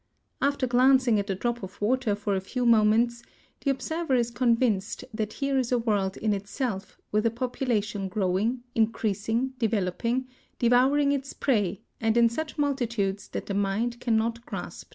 After glancing at the drop of water for a few moments the observer is convinced that here is a world in itself, with a population growing, increasing, developing, devouring its prey, and in such multitudes that the mind can not grasp the figures.